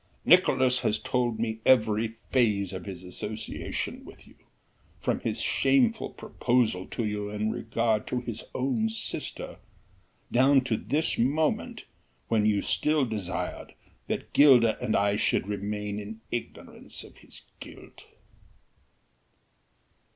Nicolaes has told me every phase of his association with you, from his shameful proposal to you in regard to his own sister, down to this moment when you still desired that Gilda and I should remain in ignorance of his guilt."